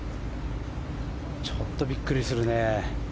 ちょっとびっくりするね。